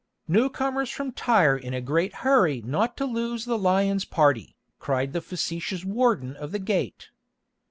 "Newcomers from Tyre in a great hurry not to lose the lions' party," cried the facetious warden of the gate.